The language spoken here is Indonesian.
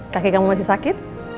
kakek kamu masih sakit